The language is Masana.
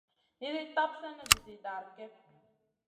Nizi tap slèna vizi dara kep.